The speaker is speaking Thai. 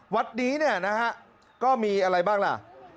วัดนี้ก็มีอะไรบ้างล่ะ